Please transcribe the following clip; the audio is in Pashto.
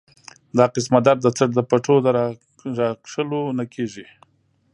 دا قسمه درد د څټ د پټو د راښکلو نه کيږي